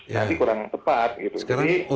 nanti kurang tepat gitu